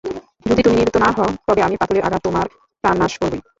যদি তুমি নিবৃত্ত না হও, তবে আমি পাথরের আঘাতে তোমার প্রাণ নাশ করবোই।